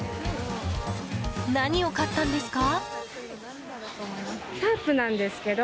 何を買ったんですか？